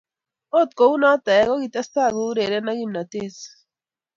Ogot ko uu noe kokitestai koureren ak kimnotee psg.